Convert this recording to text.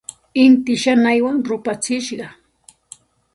Inti shanaywan rupachishqa.